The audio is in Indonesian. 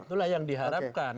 itulah yang diharapkan